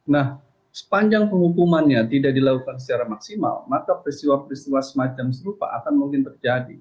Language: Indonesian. nah sepanjang penghukumannya tidak dilakukan secara maksimal maka peristiwa peristiwa semacam serupa akan mungkin terjadi